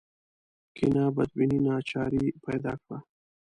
کینه بدبیني ناچاري پیدا کړه